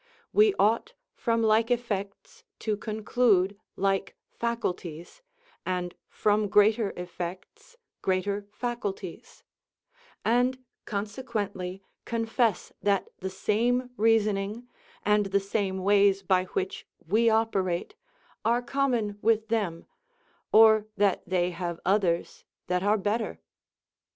We ought from like effects to conclude like faculties, and from greater effects greater faculties; and consequently confess that the same reasoning, and the same ways by which we operate, are common with them, or that they have others that are better.